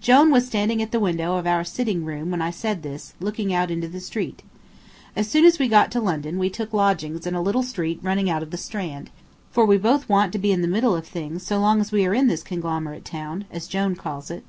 Jone was standing at the window of our sitting room when I said this, looking out into the street. As soon as we got to London we took lodgings in a little street running out of the Strand, for we both want to be in the middle of things as long as we are in this conglomerate town, as Jone calls it.